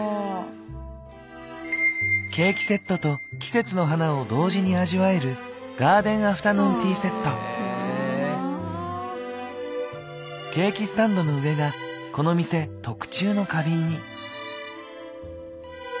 ケーキセットと季節の花を同時に味わえるケーキスタンドの上がこの店特注の花瓶に。